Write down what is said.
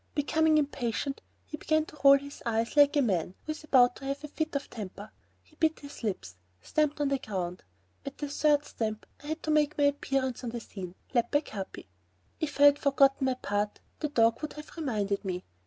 Becoming impatient, he began to roll his eyes like a man who is about to have a fit of temper. He bit his lips, and stamped on the ground. At the third stamp I had to make my appearance on the scene, led by Capi. If I had forgotten my part the dog would have reminded me.